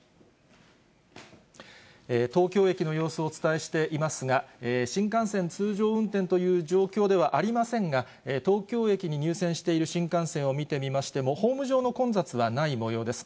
東京駅の様子をお伝えしていますが、新幹線、通常運転という状況ではありませんが、東京駅に入線している新幹線を見てみましても、ホーム上の混雑はないもようです。